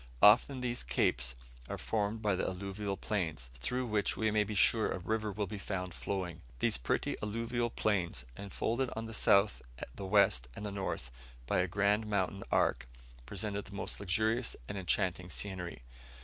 Often these capes are formed by the alluvial plains, through which we may be sure a river will be found flowing. These pretty alluvial plains, enfolded on the south, the west, and the north by a grand mountain arc, present most luxurious and enchanting scenery.